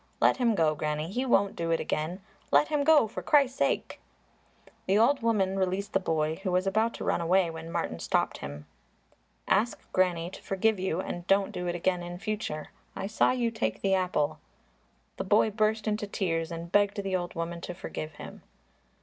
"Let him go, Granny; he won't do it again. Let him go for Christ's sake!" The old woman released the boy, who was about to run away when Martin stopped him. "Ask Granny to forgive you and don't do it again in future; I saw you take the apple." The boy burst into tears and begged the old woman to forgive him.